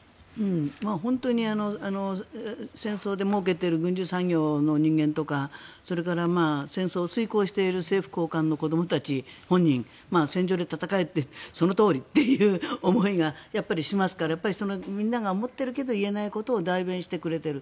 本当に戦争でもうけている軍需産業の人間とかそれから戦争を遂行している政府高官の子どもたち、本人戦場で戦えってそのとおりという思いがやっぱりしますからみんなが思っているけど言えないことを代弁してくれている。